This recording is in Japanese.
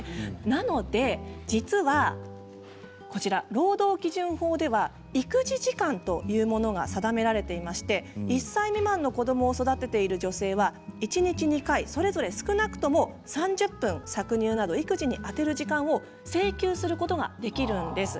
なので実は、労働基準法では育児時間というものが定められていまして１歳未満の子どもを育てている女性は一日２回それぞれ少なくとも３０分、搾乳など育児に充てる時間を請求することができるんです。